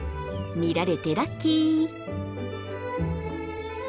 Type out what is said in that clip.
見られてラッキー！